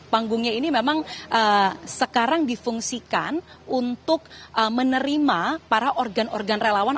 panggungnya ini memang sekarang difungsikan untuk menerima para organ organ relawan